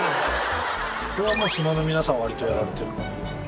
これはもう島の皆さん割とやられてる感じですか？